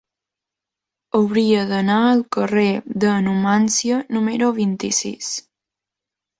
Hauria d'anar al carrer de Numància número vint-i-sis.